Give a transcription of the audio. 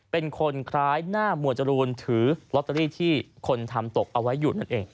เป็นคนคล้ายหน้าหมวดจรูนถือลอตเตอรี่ที่คนทำตกเอาไว้อยู่นั่นเอง